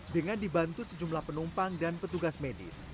dengan dibantu sejumlah penumpang dan petugas medis